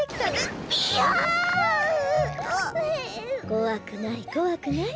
こわくないこわくない。